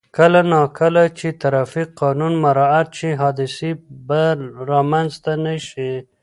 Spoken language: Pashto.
کله نا کله چې ترافیک قانون مراعت شي، حادثې به رامنځته نه شي.